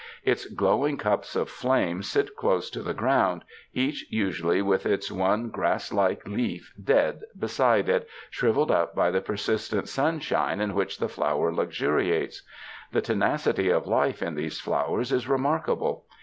Its glowing cups of flame sit close to the ground, each usually with its one grass like leaf dead beside it, shriveled up by the persistent sun shine in which the flower luxuriates. The tenacity of life in these flowers is remarkable.